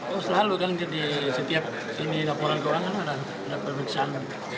oh selalu kan jadi setiap ini laporan ke orang orang ada periksaan